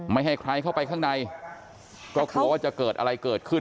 ไม่ให้ใครเข้าไปข้างในก็กลัวว่าจะเกิดอะไรเกิดขึ้น